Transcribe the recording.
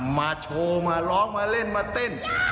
มาโชว์มาร้องมาเล่นมาเต้น